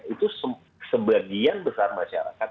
itu sebagian besar masyarakat